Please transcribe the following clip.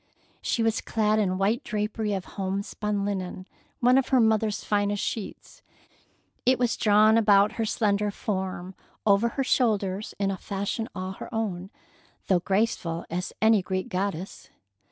She was clad in white drapery of homespun linen, one of her own mother's finest sheets. It was drawn about her slender form, over her shoulders, in a fashion all her own, though graceful as any Greek goddess.